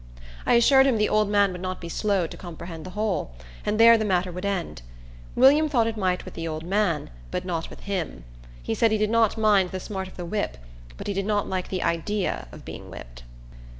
I assured him the old man would not be slow to comprehend the whole, and there the matter would end. William thought it might with the old man, but not with him. He said he did not mind the smart of the whip, but he did not like the idea of being whipped.